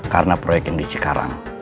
karena proyek yang di cikarang